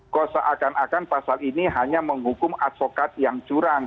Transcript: koseakan akan pasal ini hanya menghukum advokat yang curang